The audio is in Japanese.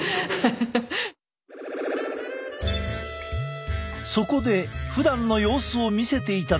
そこでふだんの様子を見せていただいた。